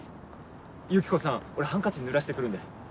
ユキコさん俺ハンカチぬらして来るんで。